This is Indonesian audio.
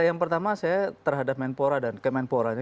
yang pertama saya terhadap menpora dan kemenpora